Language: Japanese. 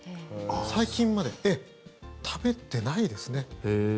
最近まで食べてないですね。